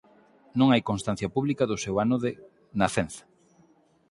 Non hai constancia publica do seu ano de nacenza.